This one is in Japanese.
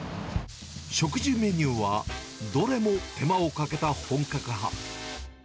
食事メニューは、どれも手間をかけた本格派。